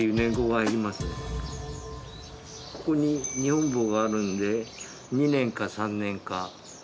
ここに２本棒があるので二年か三年か。